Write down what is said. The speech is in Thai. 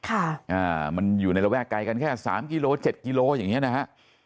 อ่ามันอยู่ในระแวก้กันแค่๓กิโลเมตร๗กิโลเมตรอย่างนี้นะฮะ